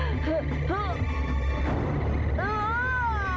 jangan berdiri juma